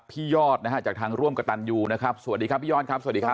ยอดนะฮะจากทางร่วมกระตันยูนะครับสวัสดีครับพี่ยอดครับสวัสดีครับ